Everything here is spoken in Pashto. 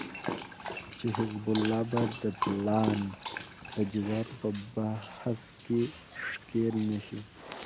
چې حزب الله به د پلان د جزياتو په بحث کې ښکېل نشي